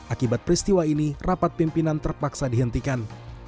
akibat peristiwa ini rapat pimpinan terpaksa dihentikan